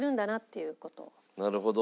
なるほど。